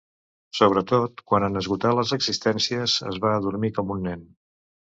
Sobretot quan en esgotar les existències es va adormir com un nen.